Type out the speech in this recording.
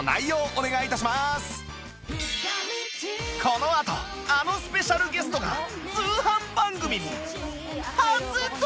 このあとあのスペシャルゲストが通販番組に初登場！